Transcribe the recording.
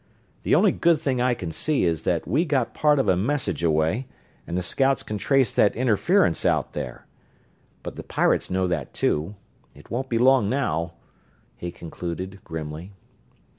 The only good thing I can see is that we got part of a message away, and the scouts can trace that interference out there. But the pirates know that, too it won't be long now," he concluded, grimly.